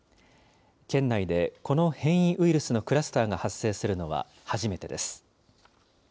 県内でこの変異ウイルスのクラスターが発生するのは初めてです。